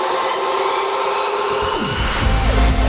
ya gue seneng